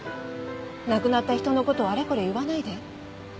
亡くなった人の事をあれこれ言わないで。